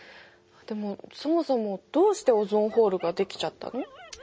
でもそもそもどうしてオゾンホールが出来ちゃったの？